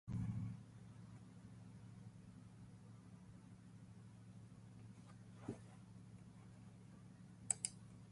The Bayes criterion is an approach suitable for such cases.